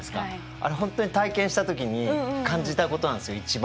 あれ本当に体験した時に感じたことなんですよ一番。